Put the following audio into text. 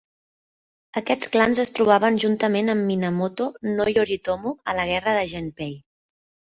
Aquests clans es trobaven juntament amb Minamoto no Yoritomo a la guerra de Genpei.